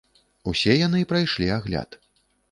Усе яны прайшлі агляд.